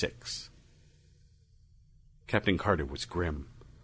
VI Captain Carter was grim.